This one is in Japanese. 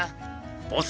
ボス